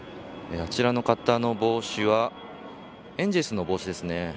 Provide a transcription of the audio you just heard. あちらの方の帽子はエンゼルスの帽子ですね。